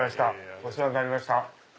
お世話になりました。